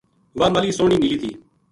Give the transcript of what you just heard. واہ ماہلی سوہنی نیلی تھی